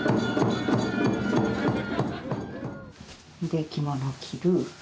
で着物着る。